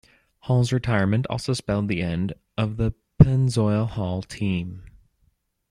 Hall's retirement also spelled the end of the Pennzoil Hall team.